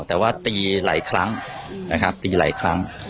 แต่ว่าตีหลายครั้งนะครับตีหลายครั้ง